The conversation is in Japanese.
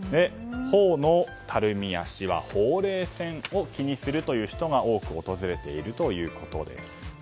頬のたるみやしわほうれい線を気にするという人が多く訪れているということです。